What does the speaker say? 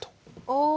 ああ。